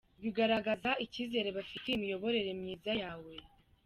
Bigaragaza icyizere bafitiye imiyoborere myiza yawe.